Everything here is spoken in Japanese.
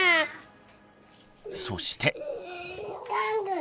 そして。